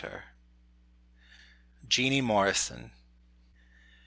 JEANIE MORRISON.